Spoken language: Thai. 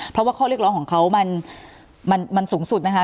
เพราะว่าข้อเรียกร้องของเขามันสูงสุดนะคะ